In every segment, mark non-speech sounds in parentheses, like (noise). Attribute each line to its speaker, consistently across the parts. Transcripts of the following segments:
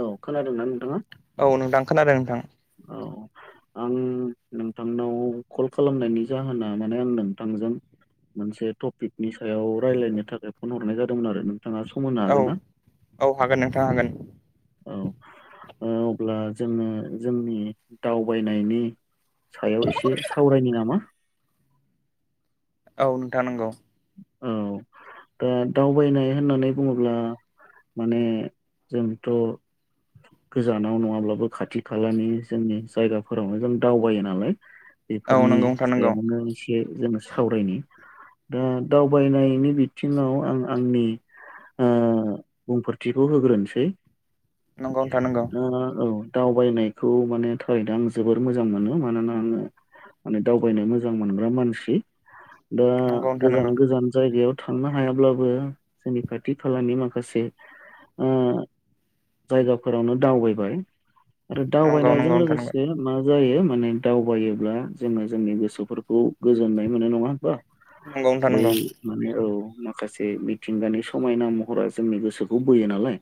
Speaker 1: औ खोनादोंना नोंथाङा?
Speaker 2: औ नोंथां खोनादों नोंथां।
Speaker 1: औ आं नोंथांनाव कल खालामनायनि जाहोना माने आं नोंथांजों मोनसे टपिकनि सायाव रायलायनो थाखाय फन हरनाय जादोंमोन आरो नों नोंथाङा सम होनो
Speaker 2: औ
Speaker 1: हागोनना
Speaker 2: औ हागोन नोंथां हागोन
Speaker 1: औ। अब्ला जोङो जोंनि दावबायनायनि। सायाव एसे सावरायनि नामा
Speaker 2: औ नोंथां नंगौ
Speaker 1: औ। दा दावबायनाय होननानै बुङोब्ला माने जोंथ'। गोजानाव नङाब्लाबो खाथि खालानि जोंनि जायगाफोरावनो जों दावबायो नालाय
Speaker 2: औ
Speaker 1: बेफोरनि
Speaker 2: नंगौ नोंथां नंगौ
Speaker 1: सायावनो एसे जोङो सावरायनि। दा दावबायनायनि बिथिङाव आं आंनि। ओ बुंफोरथिखौ होग्रोनोसै
Speaker 2: नंगौ नोंथां नंगौ
Speaker 1: औ। दावबायनायखौ माने थारैनो आं जोबोर मोजां मोनो मानोना आङो। माने दावबायनो मोजां मोनग्रा मानसि दा गोजान गोजान जायगायाव थांनो हायाब्लाबो जोंनि खाथि खालानि माखासे जायगाफोरावनो दावबायबाय आरो
Speaker 2: नंगौ
Speaker 1: दावबायनायजों
Speaker 2: नोंथां
Speaker 1: लोगोसे मा। जायो माने दावबायोब्ला जोङो जोंनि गोसोफोरखौ गोजोननाय मोनो नङा होमबा। बै
Speaker 2: नंगौ
Speaker 1: माने औ माखासे मिथिंगानि समायना महरा जोंनि गोसोखौ बोयो नालाय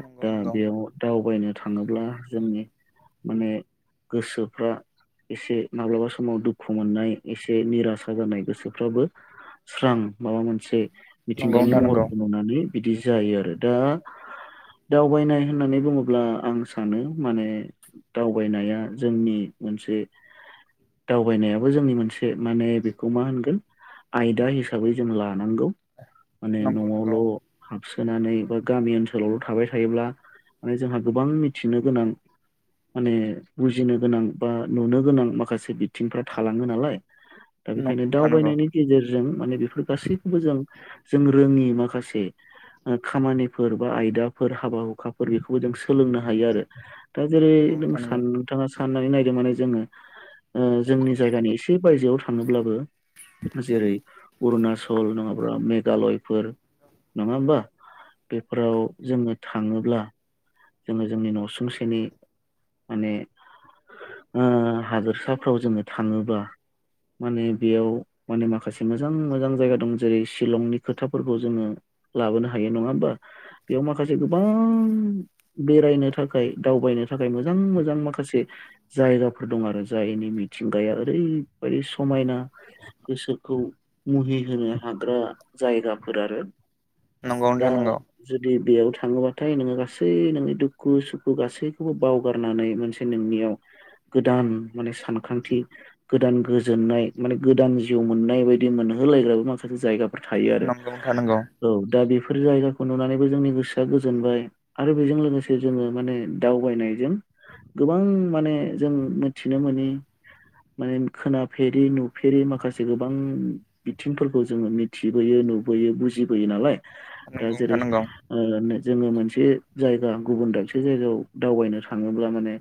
Speaker 2: नंगौ
Speaker 1: दा
Speaker 2: नोंथां
Speaker 1: बेयाव दावबायनो थाङोब्ला जोंनि माने गोसोफ्रा। एसे माब्लाबा समाव दुखु मोननाय एसे निरासा जानाय गोसोफ्राबो स्रां माबा मोनसे मिथिंगानि
Speaker 2: नंगौ
Speaker 1: महरखौ नुनानै बिदि जायो आरो दा दावबायनाय होननानै बुङोब्ला आं सानो माने दावबायनाया जोंनि मोनसे दावबायनायाबो जोंनि मोनसे माने बेखौ मा होनगोन। आयदा हिसाबै जों लानांगौ माने
Speaker 2: नंगौ
Speaker 1: न'आवल' सोनानै बा गामि ओनसोलावल' थाबाय थायोब्ला माने जोंहा गोबां मिथिनो गोनां। माने बुजिनो गोनां बा नुनो गोनां माखासे बिथिंफ्रा थालाङो नालाय दा बेखायनो
Speaker 2: नोंथां नंगौ
Speaker 1: दावबायनायनि गेजेरजों माने बेफोर गासैखौबो जों जों रोङि माखासे ओ खामानिफोर बा आयदाफोर हाबा हुखाफोर बेखौ जों सोलोंनो हायो आरो दा जेरै
Speaker 2: नंगौ
Speaker 1: नों
Speaker 2: नंगौ नोंथां नंगौ
Speaker 1: नोंथाङा साननानै नायदों माने जोङो। ओ जोंनि जायगानि एसे बायजोआव थाङोब्लाबो जेरै अरुनाचल नङाब्ला मेघालयफोर नङा होमबा बेफोराव जोङो थाङोब्ला। जोङो जोंनि न'सुंसेनि माने ओ हादोरसाफोराव जोङो थाङोब्ला माने बेयाव माने माखासे मोजां मोजां जायगा दं जेरै शिलंनि खोथाफोरखौ जोङो। लाबोनो हायो नङा होमबा बेयाव माखासे गोबां बेरायनो थाखाय दावबायनो थाखाय मोजां मोजां माखासे जायगाफोर दं आरो जायनि मि मिथिंगाया ओरैबायदि समायना गोसोखौ मुहि होनो हाग्रा जायगाफोर आरो।
Speaker 2: नंगौ
Speaker 1: दा
Speaker 2: नंगौ नंगौ
Speaker 1: जुदि बेयाव थाङोबाथाय नोङो गासै नो नि दुखु सुखु गासैखौबो बावगारनानै मोनसे नोंनियाव गोदान माने सानखांथि गोदान गोजोननाय माने गोदान जिउ मोननाय बायदि मोनो। (unintelligible) लायो मसे जाफोर थायो
Speaker 2: नोंथां नंगौ
Speaker 1: आरो
Speaker 2: नोंथां नंगौ नोंथां नंगौ नोंथां
Speaker 1: औ दा बे बेफोर जायगाखौ नुनानैबो जोंनि गोसोआ गोजोनबाय आरो बेजों लोगोसे लोगोसे जोङो माने दावबायनायजों गोबां माने जों मिथिनो मोनि माने खोनाफेरि नुफेरि माखासे गोबां बिथिंफोरखौ जोङो मिथिबोयो नुबोयो बुजिबोयोनालाय ओ जेरै ओ नो जोङो मोनसे जाय गुबुन दाबसे जायगायाव दावबायनो थाङोब्ला माने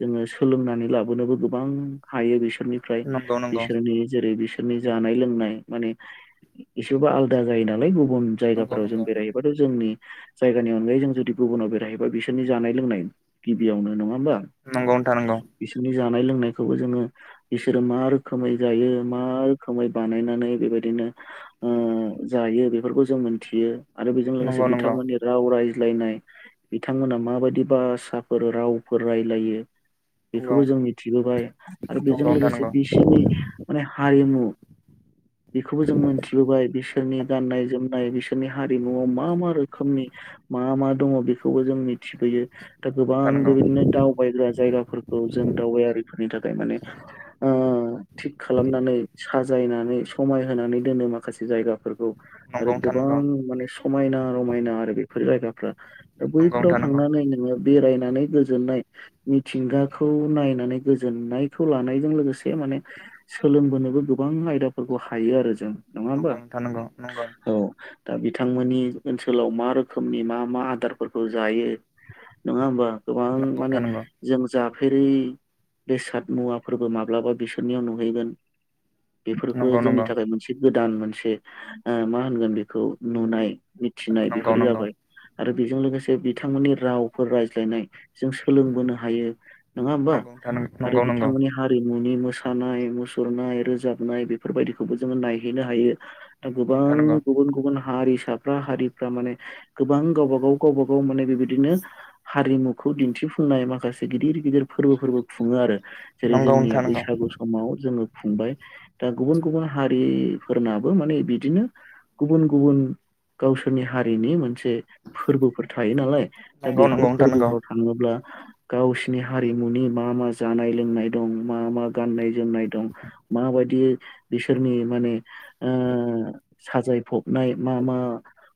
Speaker 1: जोङो सोलोंनानै लाबोनोबो गोबां हायो बिसोरनिफ्राय बिसोरनि जेरै बिसोर नि जानाय लोंनाय माने एसेबाबो आलदा जायो नालाय गुबुन जायगाफोराव जों बेरायहबाथ जोंनि जायगानि अनगायै जों जुदि गुबुनाव बेराय जाहैबा बिसोरनि जानाय लोंनाय गिबियावनो नङा होमबा
Speaker 2: नंगौ
Speaker 1: बिसोरनि जा जानाय लोंनायखौबो जोङो बिसोरो मा रोखोमै जायो मा रोखोमै बानायनानै बेबायदिनो ओ जायो बेफोरखौ जों मोनथियो। आरो बेजों लोगोसे
Speaker 2: नंगौ नोंथां नंगौ नंगौ
Speaker 1: बिथांमोननि राव रायज्लायनाय बिथांमोना माबायदि भाषाफोर रावफोर रायलायो बेखौबो जों
Speaker 2: नंगौ
Speaker 1: मिथिबोबाय आरो बेजों
Speaker 2: नोंथां
Speaker 1: लोगोसे बिसोरनि माने हारिमु (inaudible) बेखौबो जों मोनथिबोबाय बिसोरनि गाननाय जोमनाय बिसोरनि हारिमुआव मा मा रोखोमनि मा मा दङ' बेखौबो जों मिथिबोयो दा गोबां
Speaker 2: नंगौ
Speaker 1: बेबायदिनो दावबायग्रा जायगाफोरखौ जों दावबायारिफोरनि थाखाय माने ओ थिग खालामनानै साजायनानै समाय होनानै दोनो माखासे जायगाफोरखौ आरो गोबां माने समायना रमायना आरो बेफोर जायगाफ्रा दा
Speaker 2: नंगौ नंगौ
Speaker 1: बैफोराव
Speaker 2: नोंथां नंगौ नोंथां नंगौ नंगौ नोंथां नंगौ
Speaker 1: थांनानै नोङो बेरायनानै गोजोननाय मिथिंगाखौ नायनानै गोजोननायखौ लानायजों लोगोसे मा ने सोलोंबोनोबो गोबां आयदाफोरखौ हायो आरो जों नङा
Speaker 2: नंगौ
Speaker 1: होमबा।
Speaker 2: नोंथां नंगौ नंगौ
Speaker 1: औ दा बिथांमोननि ओनसोलाव मा रोखोमनि मा मा आदार फोरखौ जायो नङा होमबा गोबां
Speaker 2: नंगौ नोंथां
Speaker 1: माने
Speaker 2: नंगौ
Speaker 1: जों जा फेरि बेसाद मुवाफोरबो माब्लाबा बिसोरनियाव नुहैगोन। बेफोरबो
Speaker 2: नंगौ
Speaker 1: जोंनि
Speaker 2: नंगौ
Speaker 1: थाखाय मोनसे गोदान मोनसे ओ मा होनगोन बेखौ नुनाय मिथिनाय
Speaker 2: नंगौ
Speaker 1: बेफोरो
Speaker 2: नंगौ
Speaker 1: जाबाय आरो बेजों लोगोसे बिथांमोननि रावफोर रायज्लायनाय जों सोलोंबोनो हायो नङा होमबा
Speaker 2: नंगौ नोंथां
Speaker 1: आरो
Speaker 2: नंगौ नंगौ
Speaker 1: बिथांमोननि हारिमुनि मोसानाय मुसुरनाय रोजाबनाय बेफोर बायदिखौबो जोङो नायहैनो हायो। दा
Speaker 2: नंगौ नोंथां
Speaker 1: गोबां गुबुन गुबुन हारिसाफ्रा हारिफ्रा माने गोबां गावबा गाव गावबा गाव माने बेबायदिनो हारिमुखौ दिन्थिफुंनाय माखासे गिदिर गिदिर फोरबोफोरबो खुङो आरो जेरै जोंनिया
Speaker 2: नंगौ
Speaker 1: बैसागु समाव जोङो खुंबाय दा गुबुन गुबुन हारिफोरनाबो माने बिदिनो गुबुन गुबुन गावसोरनि हारिनि मोनसे फोरबोफोर थायो नालाय दा
Speaker 2: नंगौ
Speaker 1: बेफोर
Speaker 2: नोंथां नंगौ
Speaker 1: फोरबोफोराव थाङोब्ला गावसिनि हारिमुनि मा मा जानाय लोंनाय दं मा मा गाननाय जोमनाय दं माबायदि बिसोरनि माने ओ साजायफबनाय मा मा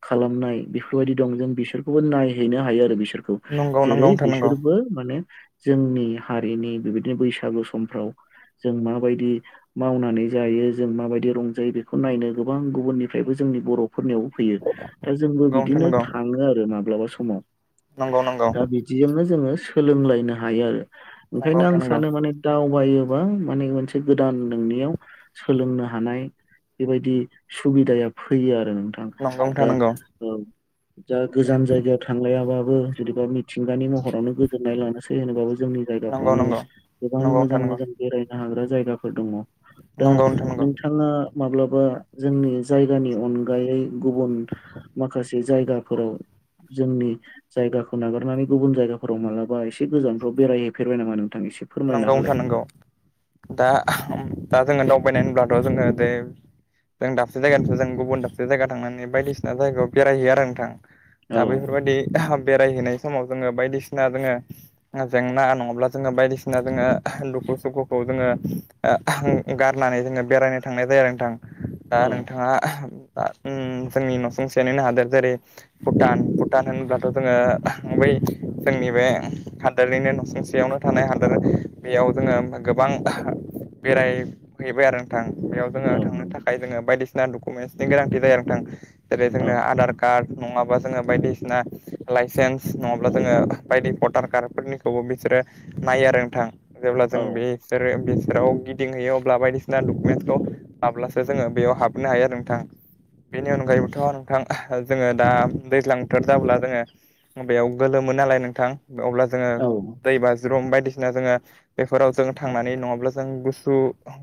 Speaker 1: खालामनाय बेफोरबायदि दं जों बिसोरखौबो नायहैनो हायो आरो बिसोरखौ
Speaker 2: नंगौ नंगौ
Speaker 1: जेरै
Speaker 2: नोंथां नंगौ
Speaker 1: बिसोरबो माने जोंनि हारिनि बेबायदिनो बैसागु समफ्राव जों माबायदि मावनानै जायो जों माबायदि रंजायो बेखौ नायनो गोबां गुबुननिफ्रायबो जोंनि बर' फोरनियावबो फैयो दा जोंबो
Speaker 2: नंगौ
Speaker 1: बिदिनो थाङो आरो माब्लाबा समाव
Speaker 2: नंगौ
Speaker 1: दा बिदिजोंनो जोङो सोलोंलायनो हायो आरो ओंखायनो आं
Speaker 2: नोंथां नंगौ
Speaker 1: सानो माने दाउ बायोबा माने मोनसे गोदान नोंनियाव सोलोंनो हानाय बेबायदि सुबिदाया फैयो नोंथां
Speaker 2: नंगौ नोंथां
Speaker 1: दा
Speaker 2: नंगौ
Speaker 1: अ जा गोजान जायगायाव थांलायाबाबो जुदिबा मिथिंगानि महरावनो गोजोननाय लानोसै होनोबाबो जोंनि
Speaker 2: नंगौ
Speaker 1: जायगाफ्रावनो
Speaker 2: नंगौ
Speaker 1: गोबां
Speaker 2: नंगौ नोंथां
Speaker 1: मोजां
Speaker 2: नंगौ
Speaker 1: मोजां बेरायनो हाग्रा जाय जायगाफोर दङ दा
Speaker 2: नंगौ नोंथां नंगौ नोंथां नंगौ नोंथां नंगौ
Speaker 1: नोंथाङा माब्लाबा जोंनि जायगानि अनगायै गुबुन माखासे बे जायगाफोराव जोंनि जायगाखौ नागारनानै गुबुन जायगाफोराव मालाबा एसे गोजानफ्राव बेरायहैफेरबाय नामा नों
Speaker 2: नंगौ नोंथां नांगौ दा उम दा जोङो दावबायनाय होनब्लाथ' जोङो बे जों दाबसे जायगानिफ्राय जों गुबुन दाबसे जायगायाव थांनानै बायदिसिना जायगायाव बेरायहयो आरो नोंथां
Speaker 1: औ
Speaker 2: दा बेफोरबायदि बेरायहैनाय समाव जोङो बायदिसिना जोङो जेंना नङाब्ला जोङो बायदि सिना जोङो दुखु सुखुखौ जोङो ओ गारनानै जोङो बेरायनो थांनाय जाया नोंथां दा
Speaker 1: औ
Speaker 2: नोंथाङा आ उम जोंनि न'सुंसेनिनो हादोर जेरै भुटान भुटान होनब्लाथ' जोङो बै जोंनि बे हादोरनिनो न'सिुंसेयावनो थानाय हा दर बेयाव जोङो गोबां बेरायहैबाय आरो नोंथां बेयाव जोङो
Speaker 1: औ
Speaker 2: थांनो
Speaker 1: नंगौ
Speaker 2: थाखाय जोङो बायदिसिना डकुमेन्टसनि गोनांथि जायो नोंथां जेरै
Speaker 1: औ
Speaker 2: जोंङो आधार कार्ड नङाबा जोङो बायदि सिना लाइसेन्स नङाब्ला जोङो बायदि भटार कार्ड फोरनिखौबो बिसोरो नायो आरो नोंथां जेब्ला जों
Speaker 1: औ
Speaker 2: बिसोरो बिसोराव गि दिंहैयो अब्ला बायदिसिना डकुमेन्टसखौ लाब्लासो जोङो बेयाव हाबोनो हायो आरो नोंथां बेनि अनगायैबोथ' नोंथां जोङो दा दैज्लां बोथोर जाब्ला जोङो बेयाव गोलोम मोन नालाय नोंथां अब्ला जोङो दै बा ज्रुम बायदिसिना जोङो बेफोराव जों थांनानै नङाब्ला जों गुसु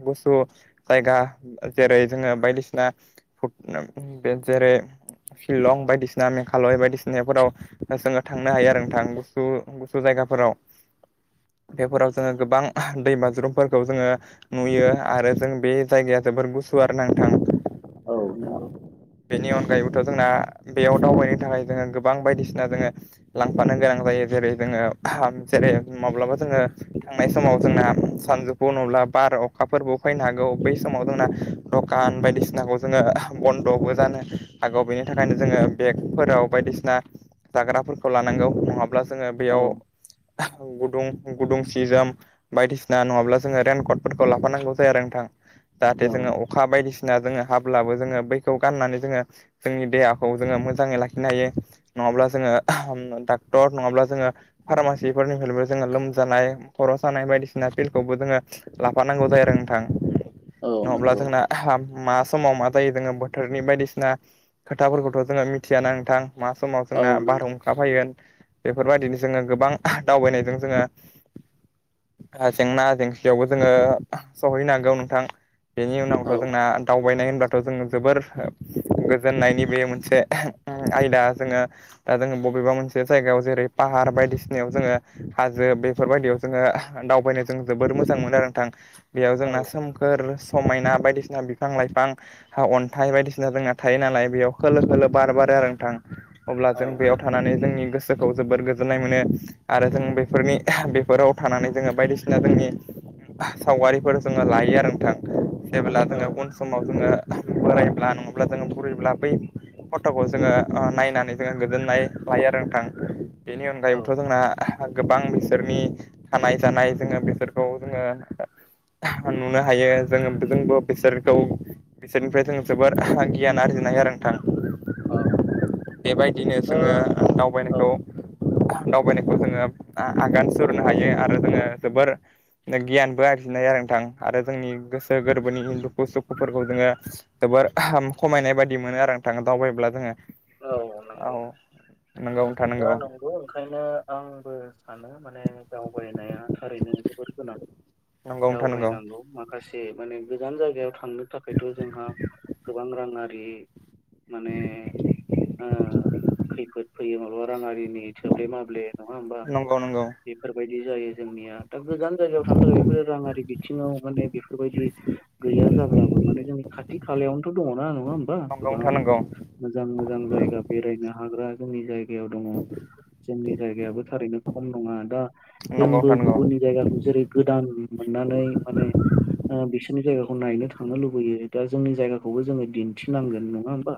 Speaker 2: गुसु जायगा जेरै जोङो बायदिसिना जेरै शिलं बायदिसिना मेघालय बायदिसिनाफोराव जोङो थांनो हायो आरो नोंथां गुस गुसु जाय गाफोराव
Speaker 1: (inaudible)
Speaker 2: बेफोराव जोङो गोबां दैमाज्रुमफोरखौ जोङो नुयो आरो जों बे जायगाया जोबोर गुसु गुवार ना नोंथां
Speaker 1: औ नंगौ
Speaker 2: बेनि अनगायैबोथ' जोंना बेयाव दावबायनो थाखाय जोङो गोबां बायदिसिना जोङो लांफानो गोनां जायो जेरै जोङो जेरै माब्लाबा जोङो थांनाय समाव जोंना सानजौफु नङाब्ला बार अखाफोरबो फैनो हागौ बै समाव जोंना दखान बायदिसिनाखौ जोङो बन 'बो जानो हागौ बेनि थाखायनो जोंङो बेगफोराव बायदिसिना जाग्राफोरखौ लानांगौ नङाब्ला जोंङो
Speaker 1: औ
Speaker 2: बेयाव गुदुं गुदुं सि जोम बायदिसिना नङाब्ला जोंङो रेनकटफोरखौ लाफानांगौ जाया आरो नोंथां जाहाथे
Speaker 1: औ
Speaker 2: जोंङो अखा बायदिसिना जोंङो हाब्लाबो जोंङो बै बे गाननानै जोंङो जोंनि देहाखौ जोंङो मोजांङै लाखिनो हायो नङाब्ला जोंङो र नङाब्ला जोंङो फार्मासिफोरनिफ्रायबो जोंङो लोमजानाय खर' सानाय बायदिसिना फिल्डखौबो जोंङो लाफानांगौ जायो आरो नोंथां
Speaker 1: औ
Speaker 2: नंङाब्ला
Speaker 1: नंगौ
Speaker 2: जोंना मा समाव मा जायो जोंङो बोथोरनि बायदिसिना खोथाफोरखौथ' जोंङो मिथियाना नोंथां मा समाव
Speaker 1: औ
Speaker 2: जोंना
Speaker 1: नंगौ
Speaker 2: बारहुंखा फैगोन बेफोरबायदिनो जोंङो गोबां दावबायनायजों जोंङो जेंना जेंसियावबो जोंङो सहैनो हागौ नोंथां बेनि
Speaker 1: औ
Speaker 2: उनावथ' जोंना दावबायनाय होनब्लाथ' जों जोबोर गोजोननायनि बे मोनसे आयदा जोंङो दा जोंङो बबेबा मोनसे जायगायाव जेरै पाह हार बायदिसिनायाव जोंङो हाजो बेफोरबायायदियाव जोंङो दावबायनो जों जोबोर मोजां मोनो आरो नोंथां। बेयाव
Speaker 1: औ
Speaker 2: जोंना सोमखोर समायना बायदिसिना बिफां लाइफां हा अन थथाय बायदिसिना थायो नालाय बेयाव खोलो खोलो बार बारो आरो नों थां अब्ला
Speaker 1: औ
Speaker 2: जों बेयाव थानानै जोंनि गोसो खौ जोबोर गोजोन्नाय मोनो आरो जों बेफोरनि बेफोराव थानानै जोंङो बायदिसिना जोंनि सावगारिफोर जोंङो लायो आरो नोंथां जेबोब्ला जोंङो उन समाव जोंङो बोरायोब्ला नंङाब्ला जोंङो बुरैब्ला बै फट'खौ जोंङो नायनानै जोंङो गोजोननाय लायो आरो नोंथां बेनि
Speaker 1: औ
Speaker 2: अनगायैबोथ' जोंना गोबां बेसे बिसोरनि थानाय जानाय जोङो बिसोरखौ जोंङो नुनो हायो जों जोंबो बिसोरखौ बिसोरनिफ्राय जोंङो जोबोर गियान आरजिनाय हायो आरो नोंथां।
Speaker 1: औ
Speaker 2: बेबायदिनो जोंङो दावबायनायखौ
Speaker 1: औ
Speaker 2: दावबायनायखौ जोंङो आगान सुरनो हायो आरो जोंङो जोबोर गियानबो आरफिननाय आरो नोंथां आरो जोंनि गोसो गोरबोनि दुखु सुखुफोरखौ जोंङो। जोबोर खमायनाय बायदि मोनो आरो थां दावबायायोब्ला जोंङो।
Speaker 1: औ नंगौ।
Speaker 2: नंगौ नोंथां
Speaker 1: दा नंगौ ओंखायनो आंबो सानो माने दावगारिनो थारैनो जोबोर गोनां
Speaker 2: नंगौ नोंथां नंगौ
Speaker 1: दनांगौ माखासे मान गोान जाय। थांनो थाखायथ' जोंहा गोबां राङारि माने खैफोद फैयो मालाबा राङारि जोंनि थोब्ले माब्ले नंङा होमबा
Speaker 2: नंगौ नंगौ
Speaker 1: बेफोरबायदि जायो जोंनिया। दा गोजान जायगायाव थांनो थाखाय बेफोरो रांङारि बिथिंङाव माने बेफोरबायदि गैया जाब्लाबो माने जोंनि। खाथि खालायावनोथ' दंङोना नङा होमबा गोबां।
Speaker 2: नंगौ
Speaker 1: मोजां मोजां जायगा बेरायनो हाग्रा जोंनि जायगायाव दंङो जोंनि जायगायाबो थारैनो खम नङा दा। जोंबो
Speaker 2: नोंथां नंगौ
Speaker 1: गुबुननि जायगाखौ जेरै गोदान मोननानै माने बिसोरनि जायगाखौ। नायनो थांनो लुबैयो दा जोंनि जायगाखौबो जोंङो दिन्थिनांगोन नंङा होमबा।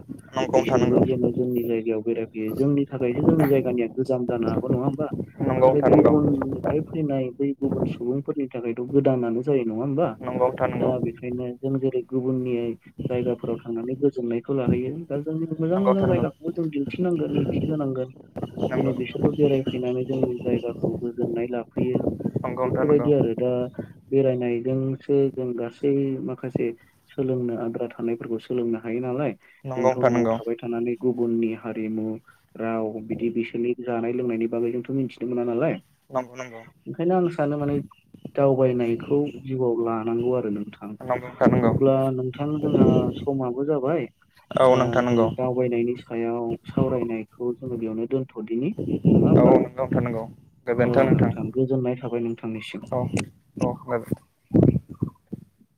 Speaker 1: बिसोरबो जेन' जोंनि जायगायाव बेरायफैयो जोंनि थाखायसो जोंनि जायगानिया गोजाम जानो हागो नंङा होमबा।
Speaker 2: नंगौ
Speaker 1: आरो
Speaker 2: नोंथां नंगौ
Speaker 1: गुबुननिफ्राय फैनाय बै गुबुन सुबुंफोरनि थाखाय। ' गोदानानो जायो नंङा होमबा
Speaker 2: नंगौ नोंथां नंगौ नोंथां
Speaker 1: दा
Speaker 2: नंगौ
Speaker 1: बेनिखायनो जों जेरै गुबुननि जायगाफोराव थांनानै गोजोननायखौ लाहैयो। दा जोंनि मोजां
Speaker 2: नंगौ
Speaker 1: मोजां जायगाखौबो जों दिन्थिनांगोन मिथिहांगोन।
Speaker 2: नोंथां नंगौ
Speaker 1: जेन' बिसोरबो बेरायफैनानै जोंनि जायगाखौ गोजोननाय लाफैयो। बेफोरबायदि आरो दा बेरायनाय जोंसो जों गासै माखासे सोलोंनो आद्रा थानायफोरखौ सोलोंनो हायो नालाय।
Speaker 2: नंगौ
Speaker 1: जोंथ'
Speaker 2: नोंथां
Speaker 1: न'आव
Speaker 2: नंगौ
Speaker 1: थाबाय थानानै गुबुननि हारिमु राव बिदि बिसोरनि जानाय-लोंनायनि बागै जोंथ' मिथिनो मोना नालाय।
Speaker 2: (unintelligible) नंगौ
Speaker 1: ओंखायनो आं सानो माने दावबायनायखौ जिउआव लानांगौ आरो नोंथां।
Speaker 2: नोंथां नंगौ नोंथां नंगौ नोंथां नंगौ
Speaker 1: अब्ला नोंथां जोंहा समाबो जाबाय।
Speaker 2: औ
Speaker 1: दा
Speaker 2: नोंथां
Speaker 1: जोङो
Speaker 2: नंगौ
Speaker 1: दावबायनायनि सायाव सावरायनायखौ जोङो बेयावनो दोन थ'दिनि
Speaker 2: औ
Speaker 1: नङा होमबा
Speaker 2: नंगौ नोंथां नंगौ गोजोन्थों
Speaker 1: औ नोंथां गोजोननाय थाबाय नोंथांनिसिम।
Speaker 2: अ (unintelligible)
Speaker 1: (inaudible)